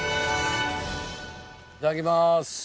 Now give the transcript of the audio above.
いただきます。